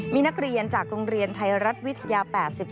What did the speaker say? มีนักเรียนจากโรงเรียนไทยรัฐวิทยา๘๔